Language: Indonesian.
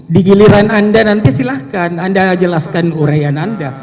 di giliran anda nanti silahkan anda jelaskan urayan anda